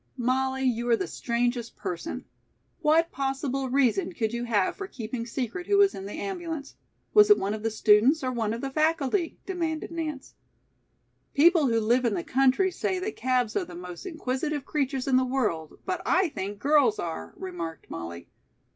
"Molly, you are the strangest person. What possible reason could you have for keeping secret who was in the ambulance? Was it one of the students or one of the faculty?" demanded Nance. "People who live in the country say that calves are the most inquisitive creatures in the world, but I think girls are," remarked Molly.